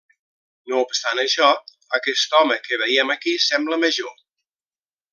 No obstant això, aquest home que veiem aquí sembla major.